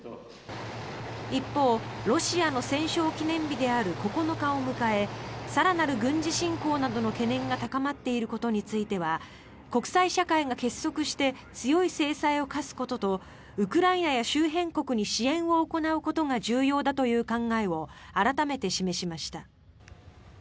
一方、ロシアの戦勝記念日である９日を迎え更なる軍事侵攻などの懸念が高まっていることについては国際社会が結束して強い制裁を科すこととウクライナや周辺国に支援を行うことが重要だという考えを改めて示しました。